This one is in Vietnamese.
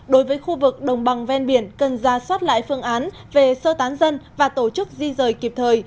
đối với khu vực đồng bằng ven biển cần ra soát lại phương án về sơ tán dân và tổ chức di rời kịp thời